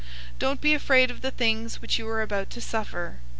002:010 Don't be afraid of the things which you are about to suffer.